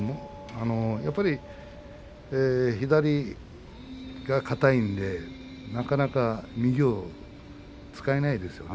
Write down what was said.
やっぱり左がかたいので、なかなか右を使えないですね。